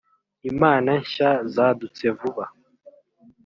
imana nshya zadutse vuba